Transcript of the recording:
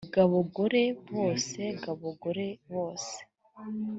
gabo gore bose gabo gore bose